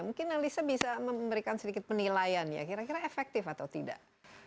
mungkin alisa bisa memberikan sedikit penilaian ya kira kira efektif atau tidak